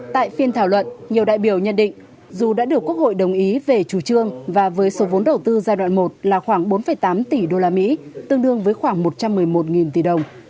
tại phiên thảo luận nhiều đại biểu nhận định dù đã được quốc hội đồng ý về chủ trương và với số vốn đầu tư giai đoạn một là khoảng bốn tám tỷ usd tương đương với khoảng một trăm một mươi một tỷ đồng